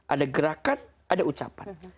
ada gerakan ada ucapan